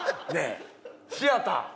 シアター？